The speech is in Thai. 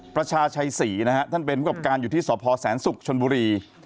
ประชาชัยศรีนะครับท่านเป็นประกอบการอยู่ที่สศสุขชนบุรี